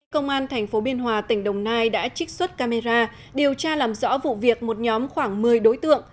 công an tp biên hòa tỉnh đồng nai đã trích xuất camera điều tra làm rõ vụ việc một nhóm khoảng một mươi đối tượng